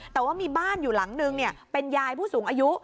แต่ว่ามีบ้านอยู่หลังนึงเป็นยายผู้สูงอายุ